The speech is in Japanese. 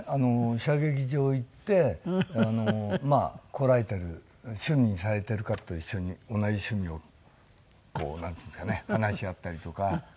射撃場行ってまあ来られてる趣味にされてる方と一緒に同じ趣味をこうなんていうんですかね話し合ったりとか。